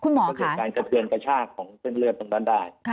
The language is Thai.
หมอการใกล้แชกของเส้นเรือตรงนั้นได้